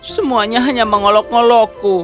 semuanya hanya mengolok ngolokku